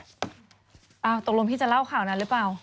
ตกลงพี่จะเล่าข่าวนั้นหรือเปล่า